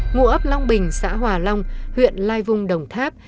ngụ ấp long bình xã hòa long huyện lai vung đồng tháp